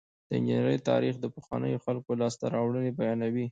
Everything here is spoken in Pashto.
د انجنیری تاریخ د پخوانیو خلکو لاسته راوړنې بیانوي.